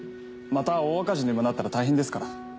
また大赤字にでもなったら大変ですから。